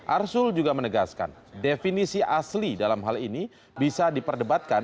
arsul juga menegaskan definisi asli dalam hal ini bisa diperdebatkan